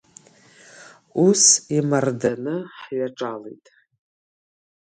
Ус имарданы ҳҩаҿалеит.